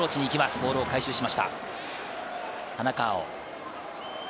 ボールを回収しました、田中碧。